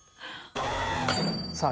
さあ